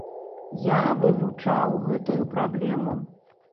Я вывучаў гэтую праблему.